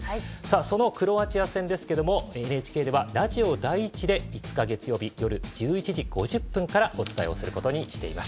そのクロアチア戦ですけどもＮＨＫではラジオ第１で５日、月曜日夜１１時５０分からお伝えをすることにしています。